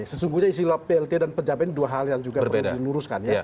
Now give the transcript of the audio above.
sesungguhnya isilah plt dan pejabat ini dua hal yang perlu diluruskan